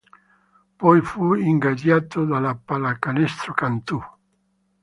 Poi fu ingaggiato dalla Pallacanestro Cantù.